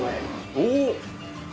おっ！